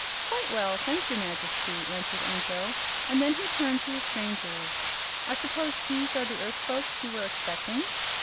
"Quite well, thank your Majesty," answered Anko; and then he turned to the strangers. "I suppose these are the earth folks you were expecting?"